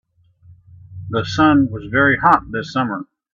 The sun was very hot this summer.